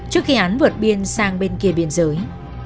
trước khi án vượt biên sang bên kia biên giới